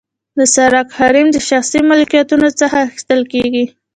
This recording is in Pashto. د سرک حریم د شخصي ملکیتونو څخه اخیستل کیږي